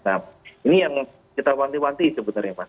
nah ini yang kita wanti wanti sebenarnya mas